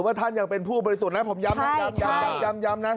ว่าท่านยังเป็นผู้บริสุทธิ์นะผมย้ำนะ